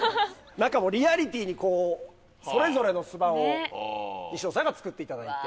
中もリアリティーにこうそれぞれの巣板を西野さんが造っていただいて。